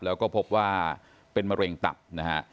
แล้วก็พบว่าเป็นมะเร็งตับนะฮะ